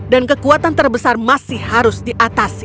dan kekuatan terbesar masih harus diatasi